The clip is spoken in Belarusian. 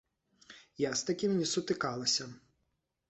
Я з такім не сутыкалася.